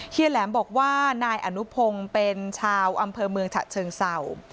แหลมบอกว่านายอนุพงศ์เป็นชาวอำเภอเมืองฉะเชิงเศร้า